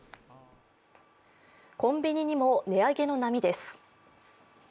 コンビニにも値上げの波です。